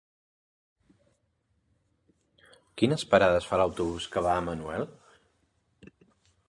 Quines parades fa l'autobús que va a Manuel?